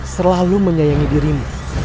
selalu menyayangi dirimu